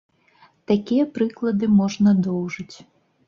Такія прыклады можна доўжыць.